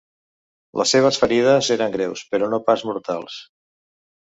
Les seves ferides eren greus, però no pas mortals.